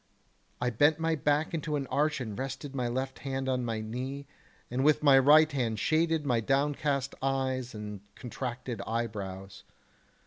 I bent my back into an arch and rested my left hand on my knee, and with my right hand shaded my downcast eyes and contracted eyebrows.